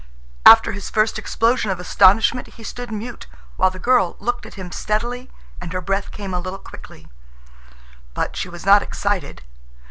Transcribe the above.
After his first explosion of astonishment he stood mute, while the girl looked at him steadily and her breath came a little quickly. But she was not excited.